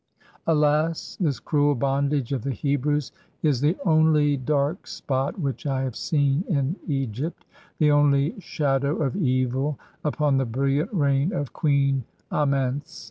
Alas, this cruel bondage of the Hebrews is the only dark spot which I have seen in Egypt — the only shadow of evil upon the brilliant reign of Queen Amense